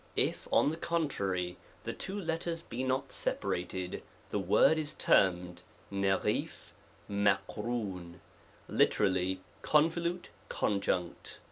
If, on the contrary, the two letters be not separated,, the word is termed ^' J7 Lt ^i! lite^ rally, convolute conjunct.